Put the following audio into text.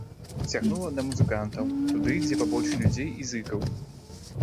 Цягнула да музыкантаў, туды, дзе пабольш людзей і зыкаў.